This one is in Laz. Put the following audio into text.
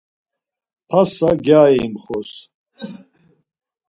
Passa gari imxors.